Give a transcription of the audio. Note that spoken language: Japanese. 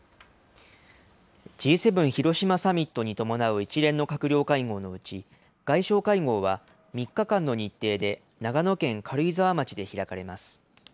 Ｇ７広島サミットに伴う一連の閣僚会合のうち、外相会合は３日間の日程で、長野県軽井沢町で開かれます。